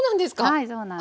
はいそうなんです。